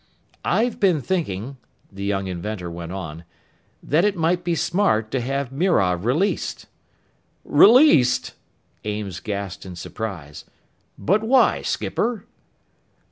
"I've been thinking," the young inventor went on, "that it might be smart to have Mirov released." "Released!" Ames gasped in surprise. "But why, skipper?"